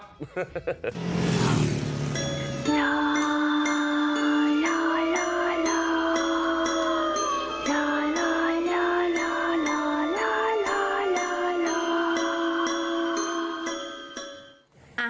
แหลละ